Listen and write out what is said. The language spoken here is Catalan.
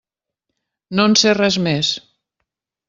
No en sé res més.